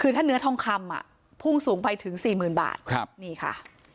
คือถ้าเนื้อทองคำอ่ะพุ่งสูงไปถึงสี่หมื่นบาทครับนี่ค่ะ